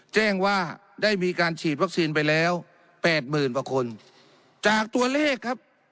แจ้งว่าได้มีการฉีดวัคซีนไปแล้วแปดหมื่นกว่าคนจากตัวเลขครับ